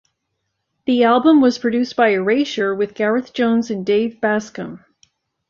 The album was produced by Erasure with Gareth Jones and Dave Bascombe.